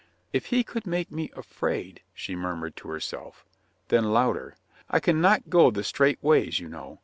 "If he could make me afraid," she mur mured to herself. Then louder: "I can not go the straight ways, you know.